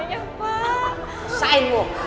ya pak kim